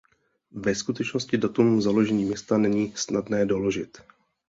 Ve skutečnosti datum založení města není snadné doložit.